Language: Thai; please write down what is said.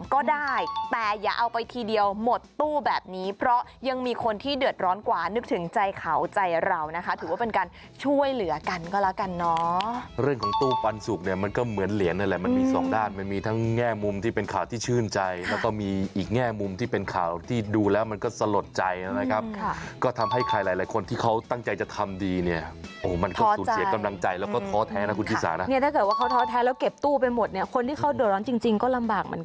ใจเขาใจเรานะคะถือว่าเป็นการช่วยเหลือกันก็แล้วกันเนาะเรื่องของตู้ปันสุกเนี่ยมันก็เหมือนเหรียญนั่นแหละมันมีสองด้านมันมีทั้งแง่มุมที่เป็นข่าวที่ชื่นใจแล้วก็มีอีกแง่มุมที่เป็นข่าวที่ดูแล้วมันก็สลดใจนะครับก็ทำให้ใครหลายคนที่เขาตั้งใจจะทำดีเนี่ยมันก็สูญเสียกำลังใจแล้วก็ท้อแท้นะค